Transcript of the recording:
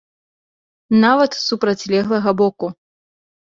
Нават з супрацьлеглага боку.